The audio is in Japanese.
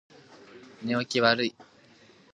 姉は起きるのが遅い